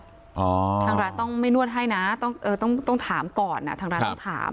ทางร้านต้องไม่นวดให้นะต้องถามก่อนนะ